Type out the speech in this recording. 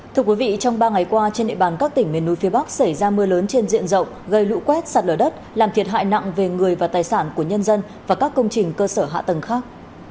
thưa quý vị trong ba ngày qua trên địa bàn các tỉnh miền núi phía bắc xảy ra mưa lớn trên diện rộng gây lũ quét sạt lở đất làm thiệt hại nặng về người và tài sản của nhân dân và các công trình cơ sở hạ tầng khác